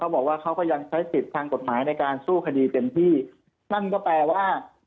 บอกว่าเขาก็ยังใช้สิทธิ์ทางกฎหมายในการสู้คดีเต็มที่นั่นก็แปลว่า